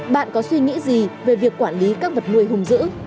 bạn có suy nghĩ gì về việc quản lý các vật nuôi hùng giữ